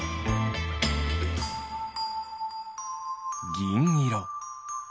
ぎんいろ。